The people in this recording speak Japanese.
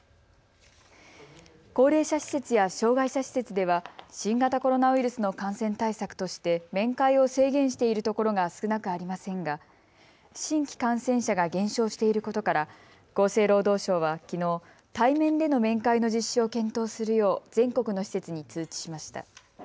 高齢者施設や障害者施設では新型コロナウイルスの感染対策として面会を制限しているところが少なくありませんが新規感染者が減少していることから厚生労働省はきのう対面での面会の実施を検討するよう全国の施設に通知しました。